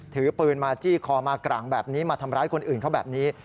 ถือปืนมาจี้คอมากร่างแบบนี้มาทำร้ายคนอื่นเขาแบบนี้